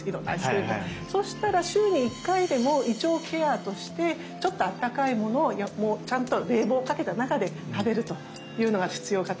そうしたら週に１回でも胃腸ケアとしてちょっとあったかいものをちゃんと冷房かけた中で食べるというのが必要かと思います。